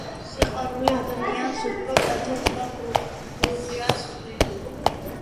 სიყვარული ადამიანს უფრო კეთილს და გულღიას ხდის.